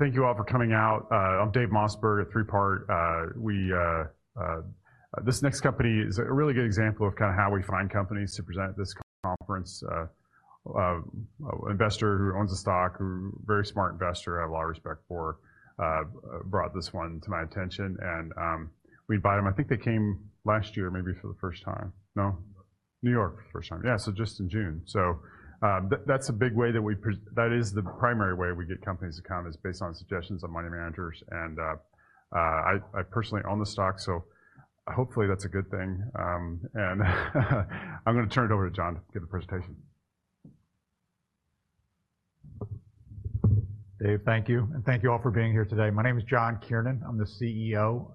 ...Thank you all for coming out. I'm Dave Mossberg at Three Part. This next company is a really good example of kind of how we find companies to present at this conference. Investor who owns the stock, very smart investor, I have a lot of respect for, brought this one to my attention, and we bought them. I think they came last year, maybe for the first time. No? New York, first time. Yeah, so just in June. So, that's a big way that we. That is the primary way we get companies to come, is based on suggestions of money managers and I personally own the stock, so hopefully that's a good thing, and I'm gonna turn it over to John to give the presentation. Dave, thank you, and thank you all for being here today. My name is John Kiernan. I'm the CEO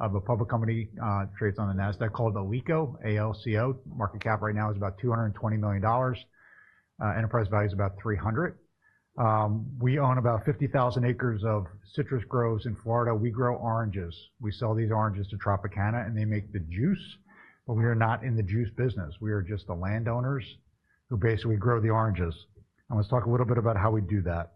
of a public company, trades on the NASDAQ called Alico, A-L-C-O. Market cap right now is about $220 million. Enterprise value is about $300 million. We own about 50,000 acres of citrus groves in Florida. We grow oranges. We sell these oranges to Tropicana, and they make the juice, but we are not in the juice business. We are just the landowners who basically grow the oranges. I want to talk a little bit about how we do that.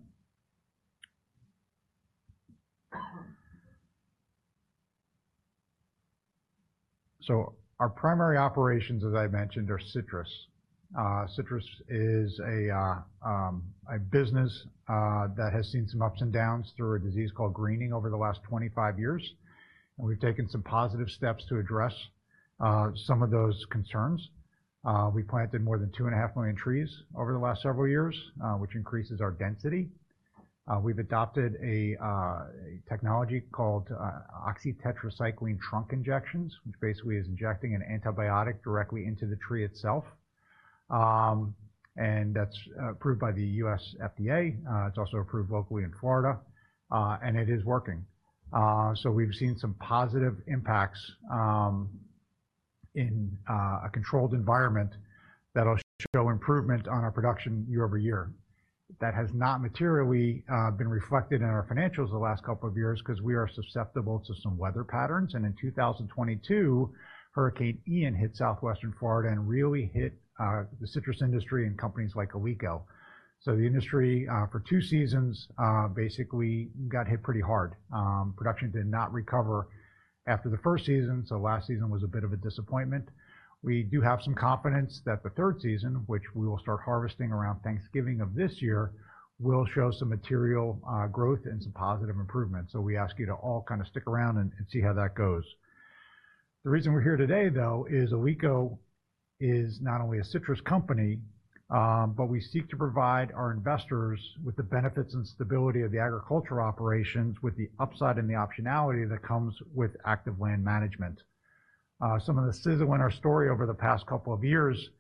So our primary operations, as I mentioned, are citrus. Citrus is a business that has seen some ups and downs through a disease called greening over the last twenty-five years, and we've taken some positive steps to address some of those concerns. We planted more than 2.5 million trees over the last several years, which increases our density. We've adopted a technology called oxytetracycline trunk injections, which basically is injecting an antibiotic directly into the tree itself. And that's approved by the U.S. FDA. It's also approved locally in Florida, and it is working. So we've seen some positive impacts in a controlled environment that'll show improvement on our production year-over-year. That has not materially been reflected in our financials the last couple of years because we are susceptible to some weather patterns, and in two thousand and twenty-two, Hurricane Ian hit southwestern Florida and really hit the citrus industry and companies like Alico. So the industry for two seasons basically got hit pretty hard. Production did not recover after the first season, so last season was a bit of a disappointment. We do have some confidence that the third season, which we will start harvesting around Thanksgiving of this year, will show some material growth and some positive improvement. So we ask you to all kind of stick around and see how that goes. The reason we're here today, though, is Alico is not only a citrus company, but we seek to provide our investors with the benefits and stability of the agricultural operations, with the upside and the optionality that comes with active land management. Some of the sizzle in our story over the past couple of years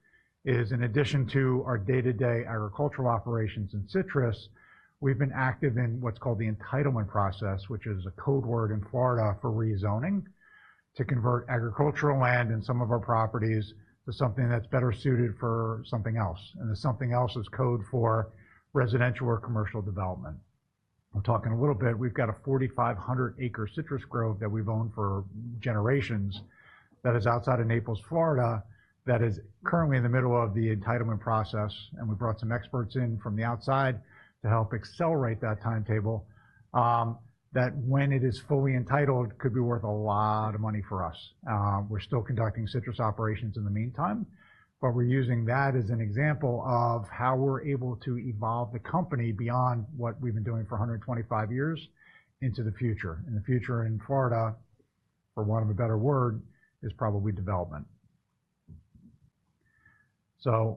is, in addition to our day-to-day agricultural operations in citrus, we've been active in what's called the entitlement process, which is a code word in Florida for rezoning, to convert agricultural land in some of our properties to something that's better suited for something else, and the something else is code for residential or commercial development. I'll talk in a little bit. We've got a 4,500-acre citrus grove that we've owned for generations that is outside of Naples, Florida, that is currently in the middle of the entitlement process, and we brought some experts in from the outside to help accelerate that timetable, that when it is fully entitled, could be worth a lot of money for us. We're still conducting citrus operations in the meantime, but we're using that as an example of how we're able to evolve the company beyond what we've been doing for 125 years into the future, and the future in Florida, for want of a better word, is probably development, so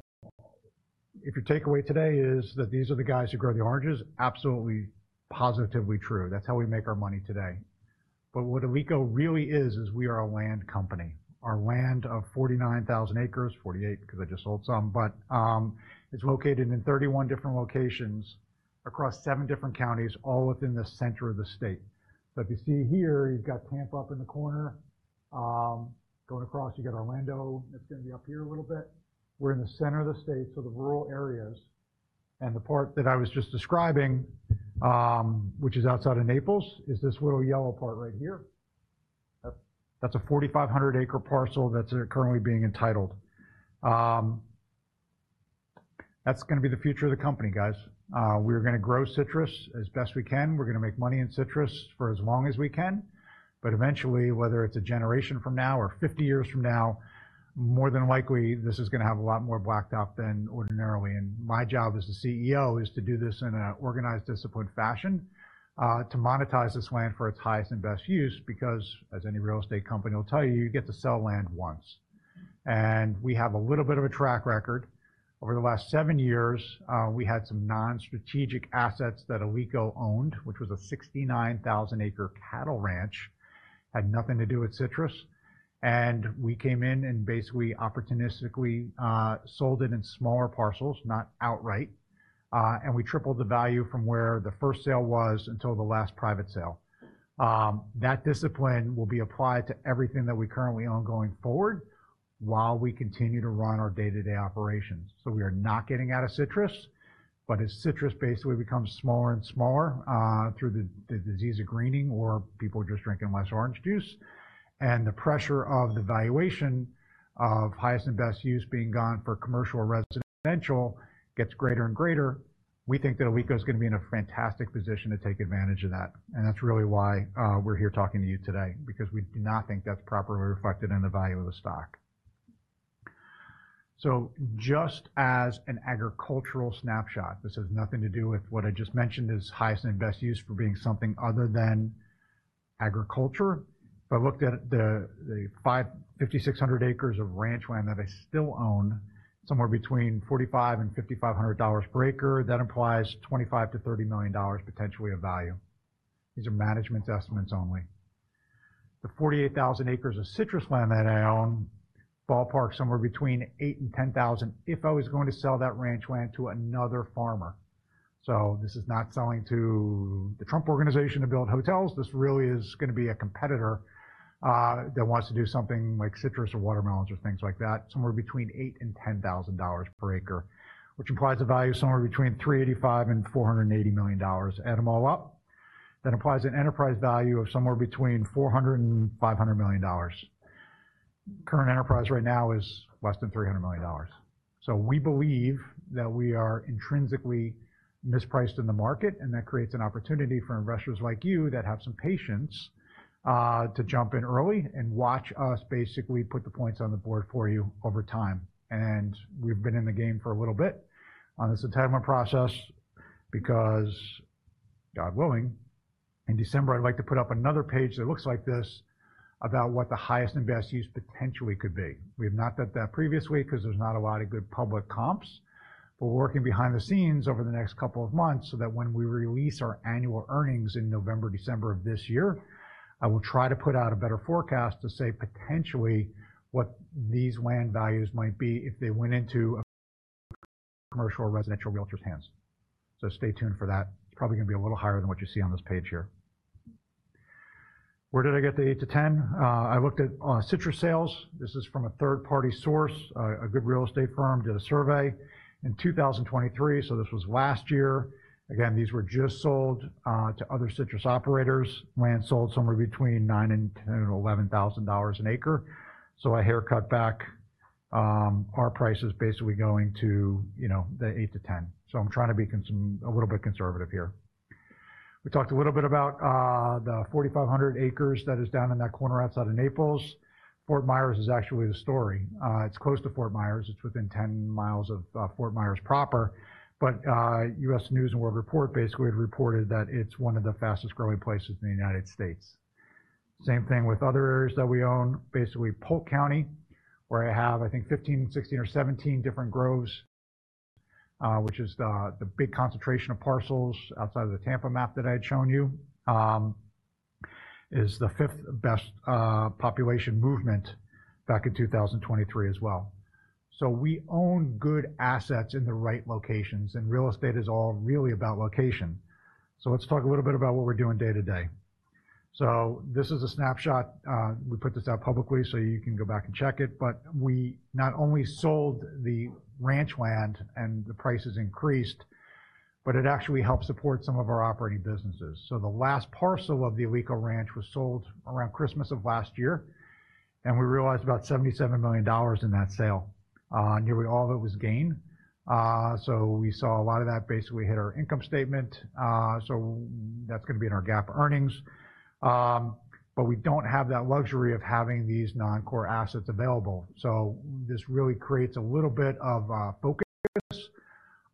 if your takeaway today is that these are the guys who grow the oranges, absolutely, positively true. That's how we make our money today, but what Alico really is, is we are a land company. Our land of 49,000 acres, 48,000, because I just sold some, but it's located in 31 different locations across seven different counties, all within the center of the state. So if you see here, you've got Tampa up in the corner. Going across, you got Orlando, it's going to be up here a little bit. We're in the center of the state, so the rural areas and the part that I was just describing, which is outside of Naples, is this little yellow part right here. That's a 4,500-acre parcel that's currently being entitled. That's gonna be the future of the company, guys. We're gonna grow citrus as best we can. We're gonna make money in citrus for as long as we can, but eventually, whether it's a generation from now or 50 years from now, more than likely, this is gonna have a lot more blacktop than ordinarily, and my job as the CEO is to do this in an organized, disciplined fashion, to monetize this land for its highest and best use, because as any real estate company will tell you, you get to sell land once, and we have a little bit of a track record. Over the last seven years, we had some non-strategic assets that Alico owned, which was a 69,000-acre cattle ranch, had nothing to do with citrus, and we came in and basically opportunistically, sold it in smaller parcels, not outright, and we tripled the value from where the first sale was until the last private sale. That discipline will be applied to everything that we currently own going forward, while we continue to run our day-to-day operations, so we are not getting out of citrus, but as citrus basically becomes smaller and smaller, through the disease of greening or people are just drinking less orange juice, and the pressure of the valuation of highest and best use being gone for commercial or residential gets greater and greater. We think that Alico is going to be in a fantastic position to take advantage of that, and that's really why we're here talking to you today, because we do not think that's properly reflected in the value of the stock, so just as an agricultural snapshot, this has nothing to do with what I just mentioned, is highest and best use for being something other than agriculture. If I looked at the 5,600 acres of ranch land that I still own, somewhere between $4,500 and $5,500 per acre, that implies $25-$30 million potentially of value. These are management's estimates only. The 48,000 acres of citrus land that I own, ballpark, somewhere between $8,000 and $10,000, if I was going to sell that ranch land to another farmer. So this is not selling to the Trump Organization to build hotels. This really is going to be a competitor that wants to do something like citrus or watermelons or things like that, somewhere between $8,000 and $10,000 per acre, which implies a value somewhere between $385 million and $480 million. Add them all up, that implies an enterprise value of somewhere between $400 million and $500 million. Current enterprise right now is less than $300 million. So we believe that we are intrinsically mispriced in the market, and that creates an opportunity for investors like you, that have some patience, to jump in early and watch us basically put the points on the board for you over time. And we've been in the game for a little bit on this entitlement process, because God willing, in December, I'd like to put up another page that looks like this, about what the highest and best use potentially could be. We have not done that previously because there's not a lot of good public comps, but we're working behind the scenes over the next couple of months so that when we release our annual earnings in November, December of this year, I will try to put out a better forecast to say potentially what these land values might be if they went into commercial or residential realtor's hands. So stay tuned for that. It's probably going to be a little higher than what you see on this page here. Where did I get the eight to ten? I looked at citrus sales. This is from a third-party source. A good real estate firm did a survey in two thousand and twenty-three, so this was last year. Again, these were just sold to other citrus operators. Land sold somewhere between nine and 10 and 11 thousand dollars an acre. So I haircut back, our prices basically going to, you know, the 8 to 10. So I'm trying to be a little bit conservative here. We talked a little bit about, the 4,500 acres that is down in that corner outside of Naples. Fort Myers is actually the story. It's close to Fort Myers. It's within 10 miles of, Fort Myers proper. But, U.S. News & World Report basically had reported that it's one of the fastest-growing places in the United States. Same thing with other areas that we own. Basically, Polk County, where I have, I think, fifteen, sixteen, or seventeen different groves, which is the big concentration of parcels outside of the Tampa map that I had shown you, is the fifth best population movement back in 2023 as well. So we own good assets in the right locations, and real estate is all really about location. So let's talk a little bit about what we're doing day to day. So this is a snapshot. We put this out publicly so you can go back and check it. But we not only sold the ranch land and the prices increased, but it actually helped support some of our operating businesses. So the last parcel of the Alico Ranch was sold around Christmas of last year, and we realized about $77 million in that sale. Nearly all of it was gain, so we saw a lot of that basically hit our income statement, so that's going to be in our GAAP earnings, but we don't have that luxury of having these non-core assets available, so this really creates a little bit of focus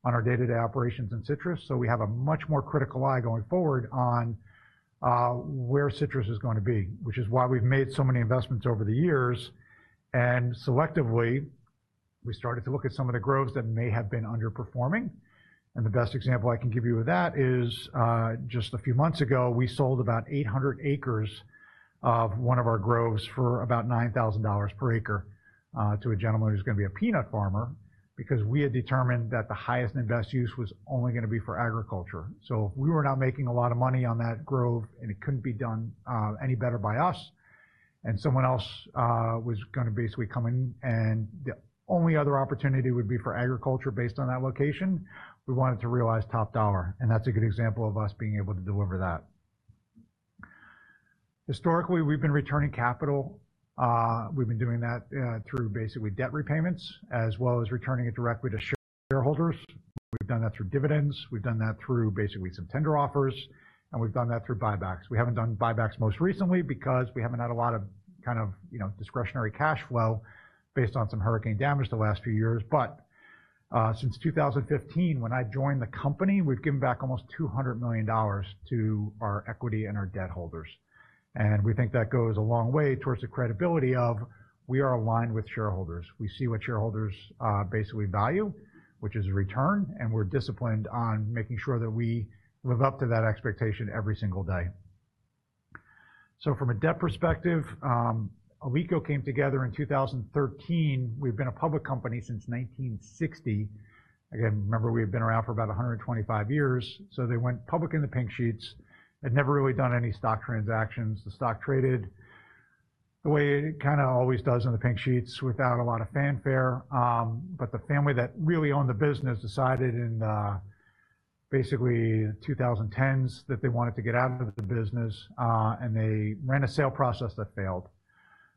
on our day-to-day operations in citrus, so we have a much more critical eye going forward on where citrus is going to be, which is why we've made so many investments over the years, and selectively, we started to look at some of the groves that may have been underperforming. And the best example I can give you of that is, just a few months ago, we sold about 800 acres of one of our groves for about $9,000 per acre, to a gentleman who's going to be a peanut farmer, because we had determined that the highest and best use was only going to be for agriculture. So we were not making a lot of money on that grove, and it couldn't be done, any better by us, and someone else, was gonna basically come in, and the only other opportunity would be for agriculture based on that location. We wanted to realize top dollar, and that's a good example of us being able to deliver that. Historically, we've been returning capital. We've been doing that, through basically debt repayments as well as returning it directly to shareholders. We've done that through dividends. We've done that through basically some tender offers, and we've done that through buybacks. We haven't done buybacks most recently because we haven't had a lot of kind of, you know, discretionary cash flow based on some hurricane damage the last few years. But, since 2015, when I joined the company, we've given back almost $200 million to our equity and our debt holders. And we think that goes a long way towards the credibility of we are aligned with shareholders. We see what shareholders basically value, which is return, and we're disciplined on making sure that we live up to that expectation every single day. So from a debt perspective, Alico came together in 2013. We've been a public company since 1960. Again, remember, we have been around for about a hundred and twenty-five years, so they went public in the Pink Sheets, had never really done any stock transactions. The stock traded the way it kinda always does in the Pink Sheets without a lot of fanfare, but the family that really owned the business decided in, basically 2010s, that they wanted to get out of the business, and they ran a sale process that failed.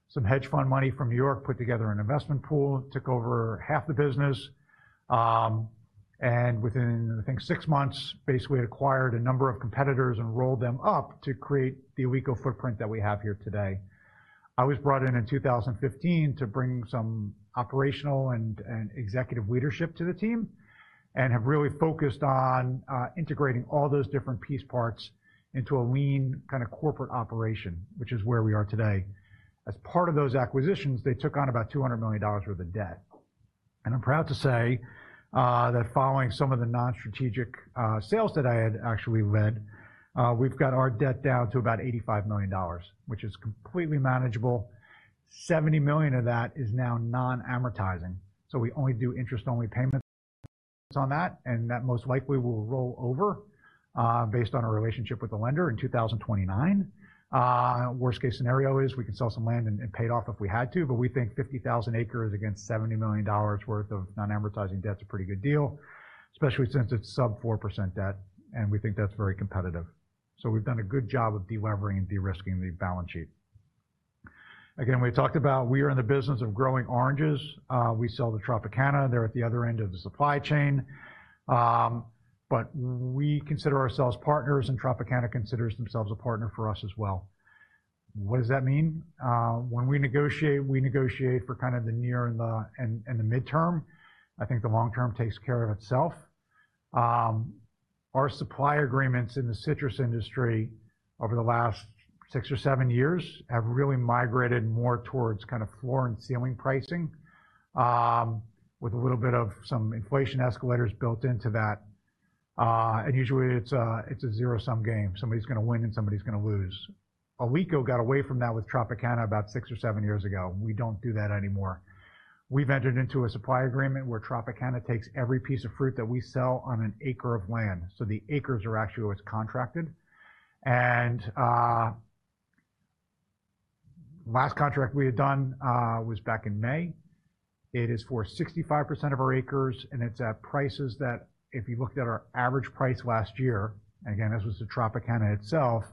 Some hedge fund money from New York put together an investment pool, took over half the business, and within, I think, six months, basically acquired a number of competitors and rolled them up to create the Alico footprint that we have here today. I was brought in in two thousand and fifteen to bring some operational and executive leadership to the team, and have really focused on integrating all those different piece parts into a lean kind of corporate operation, which is where we are today. As part of those acquisitions, they took on about $200 million worth of debt. And I'm proud to say that following some of the non-strategic sales that I had actually led, we've got our debt down to about $85 million, which is completely manageable. $70 million of that is now non-amortizing, so we only do interest-only payments on that, and that most likely will roll over based on our relationship with the lender in 2029. Worst-case scenario is we can sell some land and pay it off if we had to, but we think 50,000 acres against $70 million worth of non-amortizing debt is a pretty good deal, especially since it's sub 4% debt, and we think that's very competitive. So we've done a good job of delevering and de-risking the balance sheet. Again, we talked about we are in the business of growing oranges. We sell to Tropicana. They're at the other end of the supply chain. But we consider ourselves partners, and Tropicana considers themselves a partner for us as well. What does that mean? When we negotiate, we negotiate for kind of the near and the midterm. I think the long term takes care of itself. Our supply agreements in the citrus industry over the last six or seven years have really migrated more towards kind of floor and ceiling pricing, with a little bit of some inflation escalators built into that, and usually it's a zero-sum game. Somebody's gonna win and somebody's gonna lose. Alico got away from that with Tropicana about six or seven years ago. We don't do that anymore. We've entered into a supply agreement where Tropicana takes every piece of fruit that we sell on an acre of land, so the acres are actually what's contracted, and last contract we had done was back in May. It is for 65% of our acres, and it's at prices that if you looked at our average price last year, again, this was the Tropicana itself,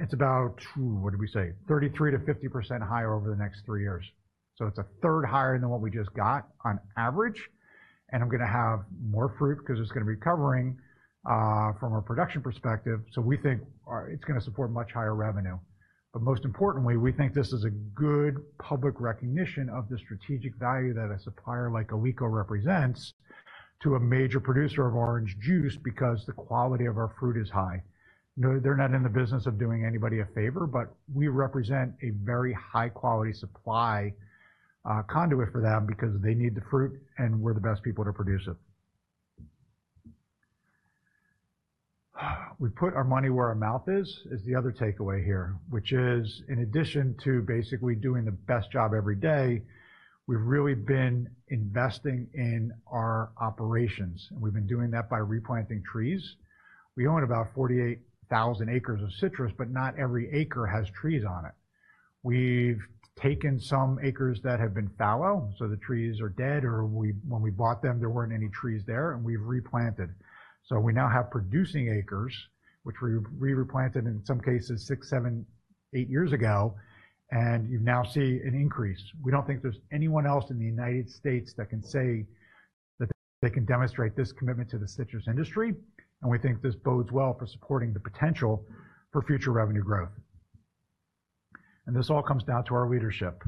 it's about, what do we say? 33%-50% higher over the next three years. So it's a third higher than what we just got on average, and I'm gonna have more fruit because it's gonna be covering, from a production perspective, so we think, it's gonna support much higher revenue. But most importantly, we think this is a good public recognition of the strategic value that a supplier like Alico represents to a major producer of orange juice because the quality of our fruit is high. You know, they're not in the business of doing anybody a favor, but we represent a very high-quality supply, conduit for them because they need the fruit, and we're the best people to produce it. We put our money where our mouth is, is the other takeaway here, which is, in addition to basically doing the best job every day, we've really been investing in our operations. We've been doing that by replanting trees. We own about 48,000 acres of citrus, but not every acre has trees on it. We've taken some acres that have been fallow, so the trees are dead, or when we bought them, there weren't any trees there, and we've replanted. So we now have producing acres, which we replanted, in some cases, six, seven, eight years ago, and you now see an increase. We don't think there's anyone else in the United States that can say that they can demonstrate this commitment to the citrus industry, and we think this bodes well for supporting the potential for future revenue growth. This all comes down to our leadership.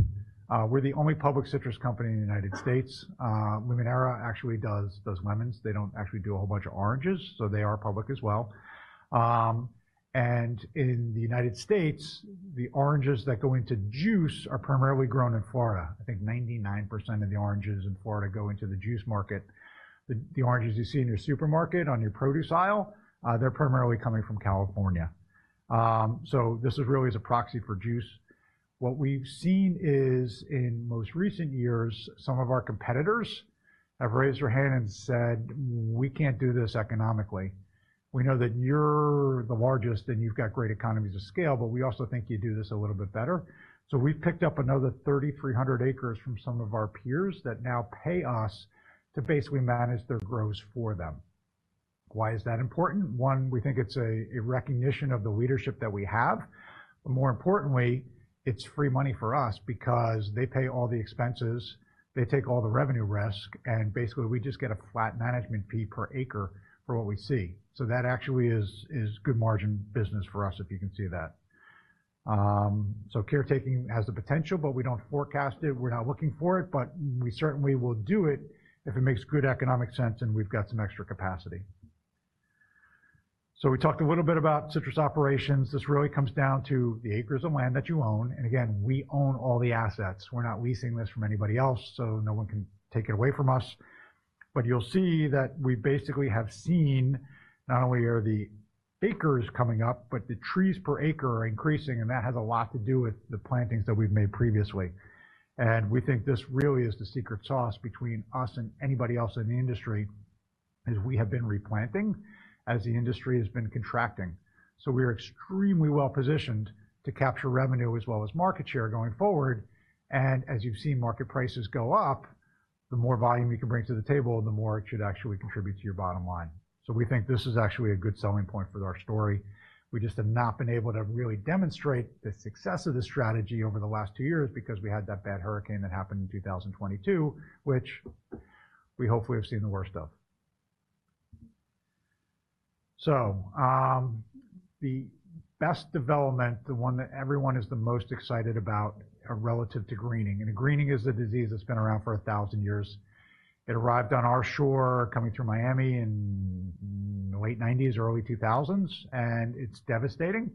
We're the only public citrus company in the United States. Limoneira actually does lemons. They don't actually do a whole bunch of oranges, so they are public as well. In the United States, the oranges that go into juice are primarily grown in Florida. I think 99% of the oranges in Florida go into the juice market. The oranges you see in your supermarket on your produce aisle, they're primarily coming from California. This is really as a proxy for juice. What we've seen is, in most recent years, some of our competitors have raised their hand and said, "We can't do this economically. We know that you're the largest, and you've got great economies of scale, but we also think you do this a little bit better." So we've picked up another 3,300 acres from some of our peers that now pay us to basically manage their groves for them. Why is that important? One, we think it's a recognition of the leadership that we have, but more importantly, it's free money for us because they pay all the expenses, they take all the revenue risk, and basically, we just get a flat management fee per acre for what we see. So that actually is good margin business for us, if you can see that. So caretaking has the potential, but we don't forecast it. We're not looking for it, but we certainly will do it if it makes good economic sense, and we've got some extra capacity. So we talked a little bit about citrus operations. This really comes down to the acres of land that you own, and again, we own all the assets. We're not leasing this from anybody else, so no one can take it away from us. But you'll see that we basically have seen not only are the acres coming up, but the trees per acre are increasing, and that has a lot to do with the plantings that we've made previously. And we think this really is the secret sauce between us and anybody else in the industry, is we have been replanting as the industry has been contracting. So we are extremely well positioned to capture revenue as well as market share going forward. And as you've seen, market prices go up... The more volume you can bring to the table, the more it should actually contribute to your bottom line. So we think this is actually a good selling point for our story. We just have not been able to really demonstrate the success of this strategy over the last two years because we had that bad hurricane that happened in 2022, which we hopefully have seen the worst of. So, the best development, the one that everyone is the most excited about, relative to greening. And greening is a disease that's been around for a thousand years. It arrived on our shore coming through Miami in the late 1990s or early 2000s, and it's devastating.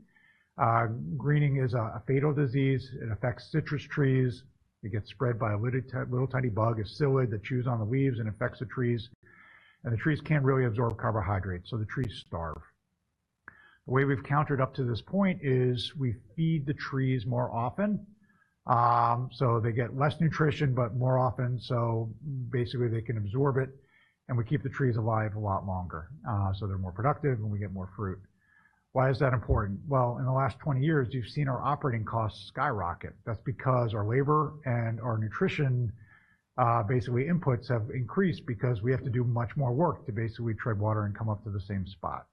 Greening is a fatal disease. It affects citrus trees. It gets spread by a little, tiny bug, a psyllid, that chews on the leaves and affects the trees. The trees can't really absorb carbohydrates, so the trees starve. The way we've countered up to this point is we feed the trees more often, so they get less nutrition, but more often, so basically they can absorb it, and we keep the trees alive a lot longer. So they're more productive, and we get more fruit. Why is that important? In the last twenty years, you've seen our operating costs skyrocket. That's because our labor and our nutrition, basically inputs have increased because we have to do much more work to basically tread water and come up to the same spot.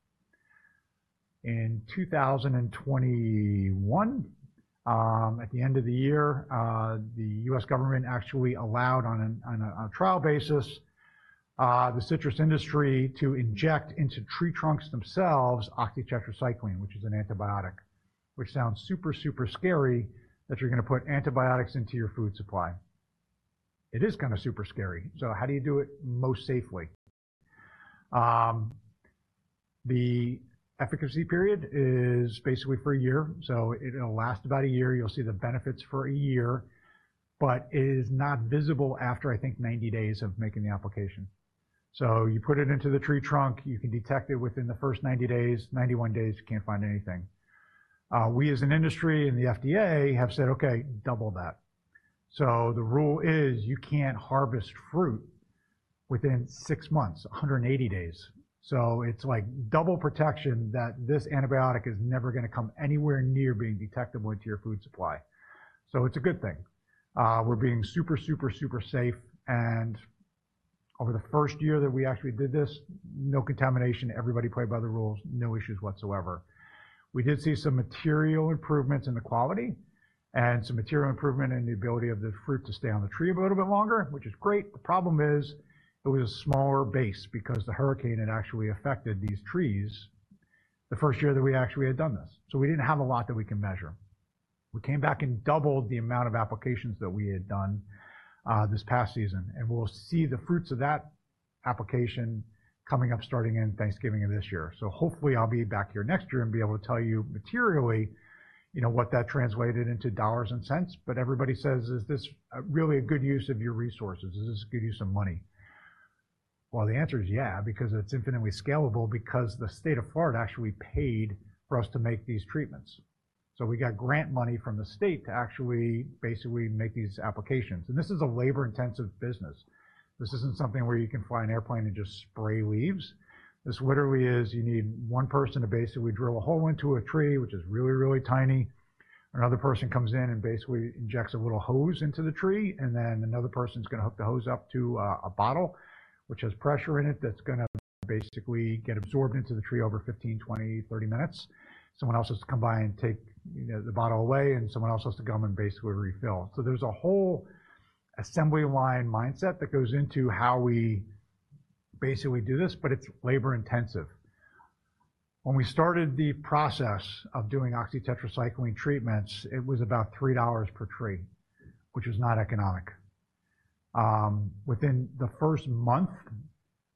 In 2021, at the end of the year, the U.S. government actually allowed, on a trial basis, the citrus industry to inject into tree trunks themselves oxytetracycline, which is an antibiotic. Which sounds super, super scary that you're gonna put antibiotics into your food supply. It is kind of super scary. So how do you do it most safely? The efficacy period is basically for a year, so it'll last about a year. You'll see the benefits for a year, but it is not visible after, I think, 90 days of making the application. So you put it into the tree trunk, you can detect it within the first 90 days. 91 days, you can't find anything. We, as an industry, and the FDA have said, "Okay, double that." So the rule is you can't harvest fruit within six months, 180 days. So it's like double protection that this antibiotic is never gonna come anywhere near being detectable into your food supply. So it's a good thing. We're being super, super, super safe, and over the first year that we actually did this, no contamination. Everybody played by the rules, no issues whatsoever. We did see some material improvements in the quality and some material improvement in the ability of the fruit to stay on the tree a little bit longer, which is great. The problem is, it was a smaller base because the hurricane had actually affected these trees the first year that we actually had done this, so we didn't have a lot that we can measure. We came back and doubled the amount of applications that we had done, this past season, and we'll see the fruits of that application coming up, starting in Thanksgiving of this year, so hopefully I'll be back here next year and be able to tell you materially, you know, what that translated into dollars and cents, but everybody says, "Is this really a good use of your resources? Does this give you some money?" Well, the answer is yeah, because it's infinitely scalable, because the state of Florida actually paid for us to make these treatments, so we got grant money from the state to actually basically make these applications, and this is a labor-intensive business. This isn't something where you can fly an airplane and just spray leaves. This literally is, you need one person to basically drill a hole into a tree, which is really, really tiny. Another person comes in and basically injects a little hose into the tree, and then another person's gonna hook the hose up to a bottle, which has pressure in it that's gonna basically get absorbed into the tree over 15, 20, 30 minutes. Someone else has to come by and take, you know, the bottle away, and someone else has to come and basically refill. So there's a whole assembly line mindset that goes into how we basically do this, but it's labor-intensive. When we started the process of doing oxytetracycline treatments, it was about $3 per tree, which is not economic. Within the first month,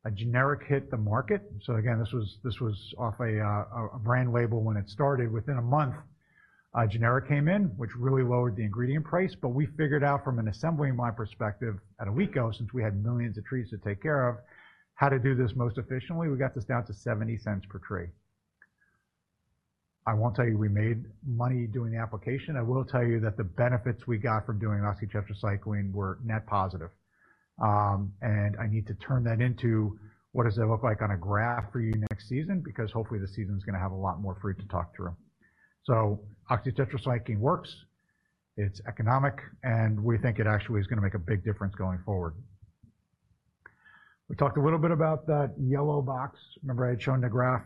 a generic hit the market. So again, this was off a brand label when it started. Within a month, a generic came in, which really lowered the ingredient price, but we figured out from an assembly line perspective at Alico, since we had millions of trees to take care of, how to do this most efficiently. We got this down to $0.70 per tree. I won't tell you we made money doing the application. I will tell you that the benefits we got from doing oxytetracycline were net positive, and I need to turn that into what does that look like on a graph for you next season? Because hopefully, this season's gonna have a lot more fruit to talk through, so oxytetracycline works, it's economic, and we think it actually is gonna make a big difference going forward. We talked a little bit about that yellow box. Remember I had shown the graph,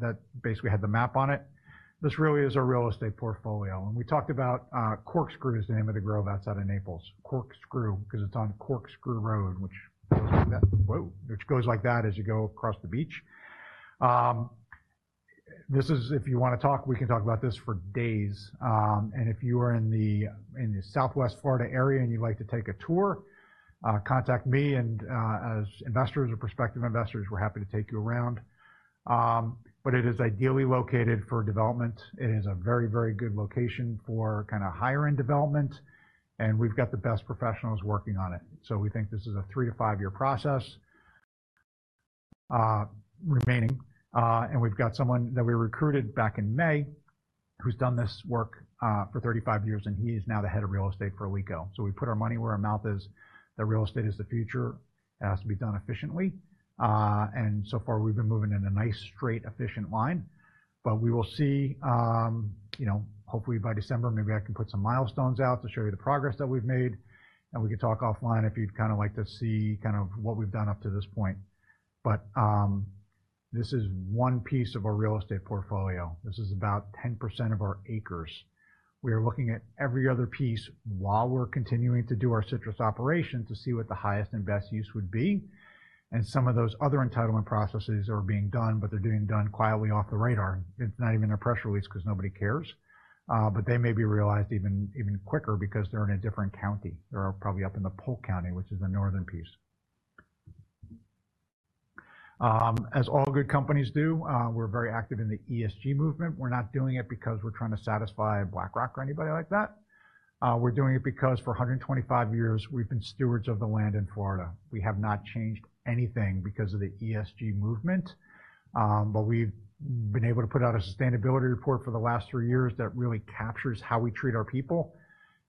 that basically had the map on it? This really is our real estate portfolio, and we talked about Corkscrew is the name of the grove out of Naples. Corkscrew, 'cause it's on Corkscrew Road, which goes like that as you go across the beach. This is... If you wanna talk, we can talk about this for days. And if you are in the Southwest Florida area and you'd like to take a tour, contact me, and as investors or prospective investors, we're happy to take you around. But it is ideally located for development. It is a very, very good location for kinda higher-end development, and we've got the best professionals working on it. So we think this is a three to five-year process remaining. We've got someone that we recruited back in May, who's done this work for 35 years, and he is now the head of real estate for Alico. So we put our money where our mouth is, that real estate is the future. It has to be done efficiently, and so far, we've been moving in a nice, straight, efficient line. But we will see, you know, hopefully by December, maybe I can put some milestones out to show you the progress that we've made, and we can talk offline if you'd kinda like to see kind of what we've done up to this point, but this is one piece of our real estate portfolio. This is about 10% of our acres. We are looking at every other piece while we're continuing to do our citrus operation, to see what the highest and best use would be. And some of those other entitlement processes are being done, but they're being done quietly off the radar. It's not even a press release because nobody cares, but they may be realized even quicker because they're in a different county. They are probably up in the Polk County, which is the northern piece. As all good companies do, we're very active in the ESG movement. We're not doing it because we're trying to satisfy BlackRock or anybody like that. We're doing it because for 125 years we've been stewards of the land in Florida. We have not changed anything because of the ESG movement, but we've been able to put out a sustainability report for the last three years that really captures how we treat our people,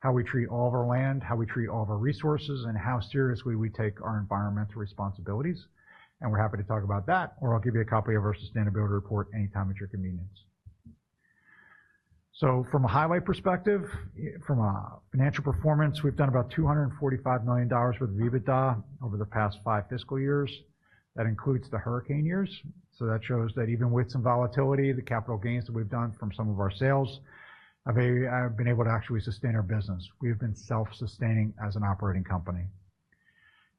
how we treat all of our land, how we treat all of our resources, and how seriously we take our environmental responsibilities, and we're happy to talk about that, or I'll give you a copy of our sustainability report anytime at your convenience. So from a highlight perspective, from a financial performance, we've done about $245 million worth of EBITDA over the past five fiscal years. That includes the hurricane years. So that shows that even with some volatility, the capital gains that we've done from some of our sales have been able to actually sustain our business. We have been self-sustaining as an operating company.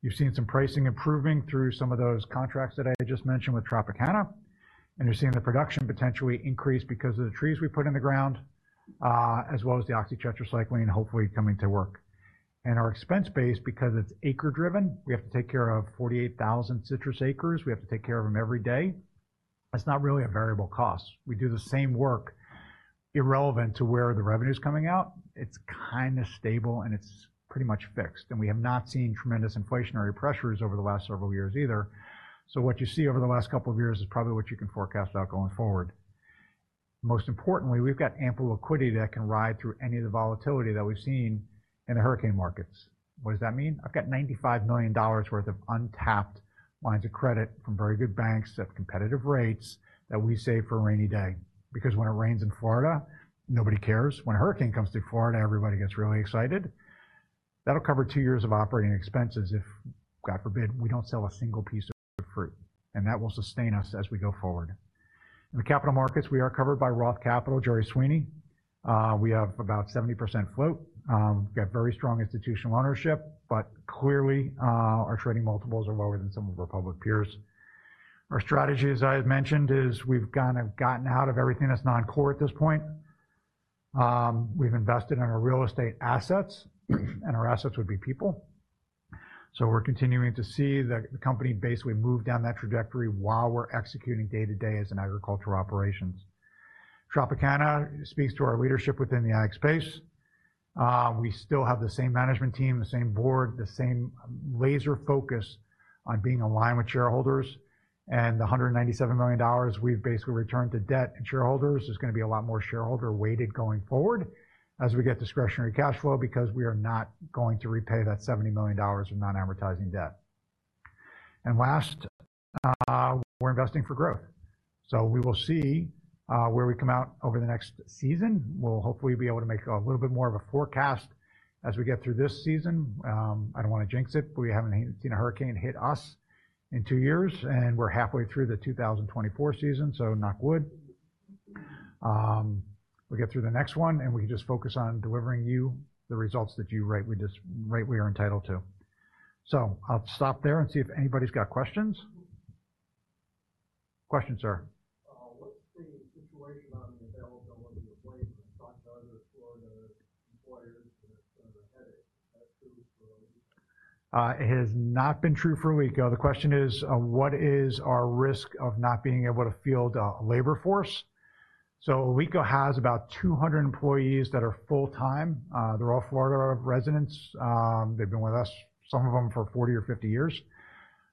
You've seen some pricing improving through some of those contracts that I just mentioned with Tropicana, and you're seeing the production potentially increase because of the trees we put in the ground, as well as the oxytetracycline hopefully coming to work, and our expense base, because it's acre driven, we have to take care of 48,000 citrus acres. We have to take care of them every day. That's not really a variable cost. We do the same work, irrelevant to where the revenue is coming out. It's kind of stable and it's pretty much fixed, and we have not seen tremendous inflationary pressures over the last several years either, so what you see over the last couple of years is probably what you can forecast out going forward. Most importantly, we've got ample liquidity that can ride through any of the volatility that we've seen in the hurricane markets. What does that mean? I've got $95 million worth of untapped lines of credit from very good banks at competitive rates that we save for a rainy day, because when it rains in Florida, nobody cares. When a hurricane comes to Florida, everybody gets really excited. That'll cover two years of operating expenses if, God forbid, we don't sell a single piece of fruit, and that will sustain us as we go forward. In the capital markets, we are covered by Roth Capital, Gerry Sweeney. We have about 70% float. We've got very strong institutional ownership, but clearly, our trading multiples are lower than some of our public peers. Our strategy, as I mentioned, is we've kind of gotten out of everything that's non-core at this point. We've invested in our real estate assets, and our assets would be people. So we're continuing to see the company basically move down that trajectory while we're executing day-to-day as an agricultural operations. Tropicana speaks to our leadership within the ag space. We still have the same management team, the same board, the same laser focus on being aligned with shareholders, and the $197 million we've basically returned to debt and shareholders is gonna be a lot more shareholder-weighted going forward as we get discretionary cash flow, because we are not going to repay that $70 million of non-revolving debt. Last, we're investing for growth. So we will see where we come out over the next season. We'll hopefully be able to make a little bit more of a forecast as we get through this season. I don't want to jinx it, but we haven't seen a hurricane hit us in two years, and we're halfway through the two thousand and twenty-four season, so knock wood. We'll get through the next one, and we can just focus on delivering you the results that you right, we just-- right we are entitled to. So I'll stop there and see if anybody's got questions. Question, sir? What's the situation on the availability of labor that other Florida employers have a headache? That's true for Alico. It has not been true for Alico. The question is, what is our risk of not being able to field a labor force? So Alico has about 200 employees that are full-time. They're all Florida residents. They've been with us, some of them for 40 or 50 years.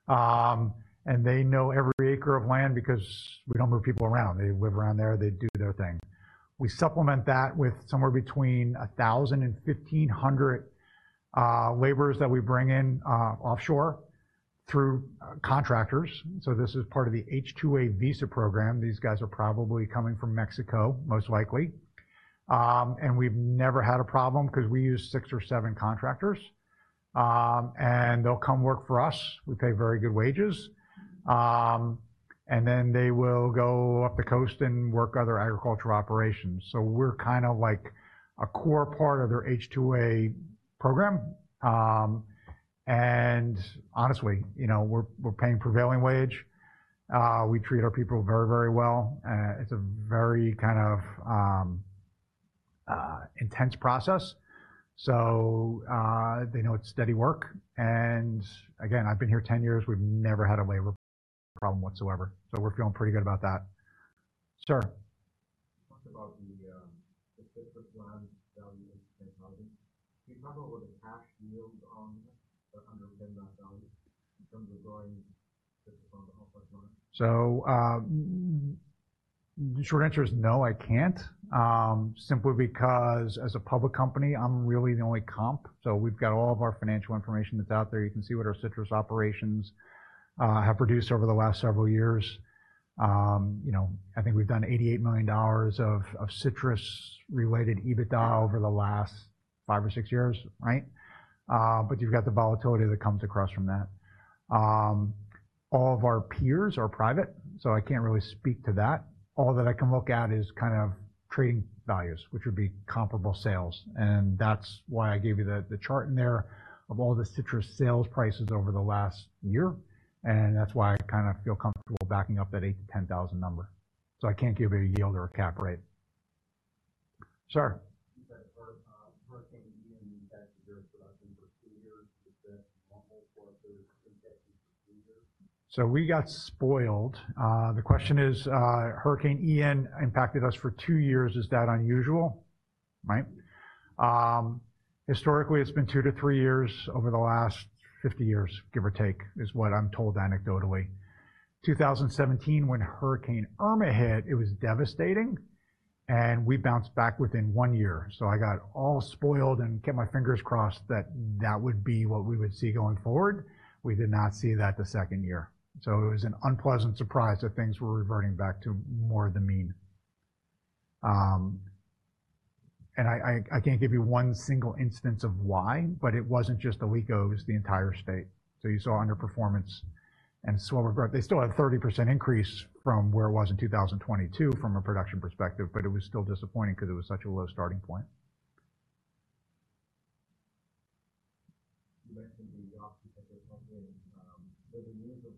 And they know every acre of land because we don't move people around. They live around there, they do their thing. We supplement that with somewhere between 1,000 and 1,500 laborers that we bring in offshore through contractors. So this is part of the H-2A visa program. These guys are probably coming from Mexico, most likely. And we've never had a problem because we use six or seven contractors, and they'll come work for us. We pay very good wages, and then they will go up the coast and work other agricultural operations. So we're kind of like a core part of their H-2A program. And honestly, you know, we're paying prevailing wage. We treat our people very, very well. It's a very kind of intense process. So, they know it's steady work. And again, I've been here ten years. We've never had a labor problem whatsoever, so we're feeling pretty good about that. Sir? Talk about the citrus land value and technology. Can you talk about what the cash yields on the underpin that value in terms of growing citrus on the northwest corner? The short answer is no, I can't. Simply because as a public company, I'm really the only comp. We've got all of our financial information that's out there. You can see what our citrus operations have produced over the last several years. You know, I think we've done $88 million of citrus-related EBITDA over the last five or six years, right? You've got the volatility that comes across from that. All of our peers are private, so I can't really speak to that. All that I can look at is kind of trading values, which would be comparable sales, and that's why I gave you the chart in there of all the citrus sales prices over the last year, and that's why I kind of feel comfortable backing up that $8,000-$10,000 number. I can't give you a yield or a cap rate. Sir? You said Hurricane Ian impacted your production for two years. Is that normal for other impacted years? So we got spoiled. The question is, Hurricane Ian impacted us for two years. Is that unusual? Right. Historically, it's been two to three years over the last fifty years, give or take, is what I'm told anecdotally. Two thousand and seventeen, when Hurricane Irma hit, it was devastating, and we bounced back within one year. So I got all spoiled and kept my fingers crossed that that would be what we would see going forward. We did not see that the second year, so it was an unpleasant surprise that things were reverting back to more of the mean. And I can't give you one single instance of why, but it wasn't just us, it was the entire state. So you saw underperformance and slower growth. They still had 30% increase from where it was in 2022 from a production perspective, but it was still disappointing because it was such a low starting point.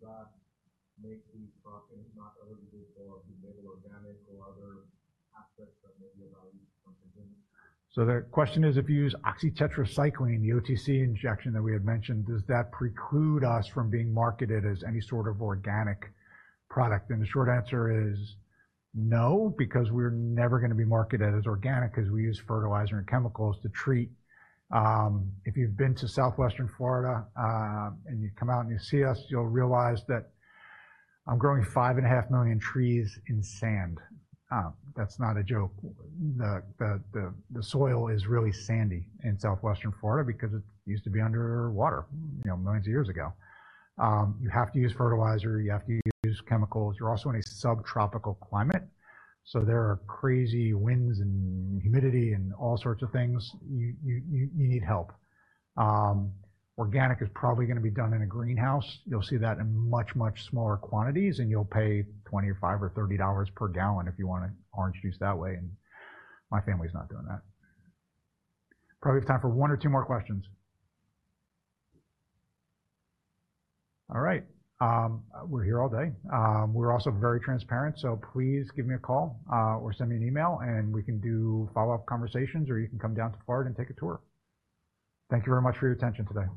You mentioned the oxytetracycline. Does the use of that make these products not eligible for labeled organic or other aspects that may be of value to consumers? So the question is, if you use oxytetracycline, the OTC injection that we had mentioned, does that preclude us from being marketed as any sort of organic product? And the short answer is no, because we're never gonna be marketed as organic, 'cause we use fertilizer and chemicals to treat. If you've been to southwestern Florida and you come out and you see us, you'll realize that I'm growing 5.5 million trees in sand. That's not a joke. The soil is really sandy in southwestern Florida because it used to be under water, you know, millions of years ago. You have to use fertilizer. You have to use chemicals. You're also in a subtropical climate, so there are crazy winds and humidity and all sorts of things. You need help. Organic is probably gonna be done in a greenhouse. You'll see that in much, much smaller quantities, and you'll pay $25 or $30 per gallon if you want an orange juice that way, and my family's not doing that. Probably have time for one or two more questions. All right, we're here all day. We're also very transparent, so please give me a call, or send me an email, and we can do follow-up conversations, or you can come down to Florida and take a tour. Thank you very much for your attention today.